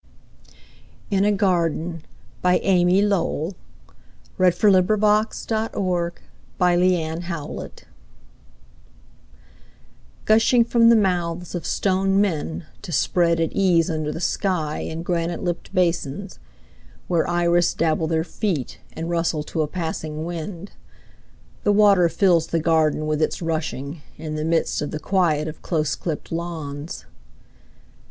Gather it up from the dust, That its sparkle may amuse you. In a Garden Gushing from the mouths of stone men To spread at ease under the sky In granite lipped basins, Where iris dabble their feet And rustle to a passing wind, The water fills the garden with its rushing, In the midst of the quiet of close clipped lawns.